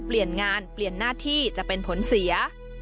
เปลี่ยนงานเปลี่ยนหน้าที่จะเป็นผลเสีย